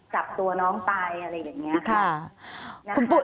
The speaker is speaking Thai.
จับตัวน้องตายอะไรแบบนี้ค่ะ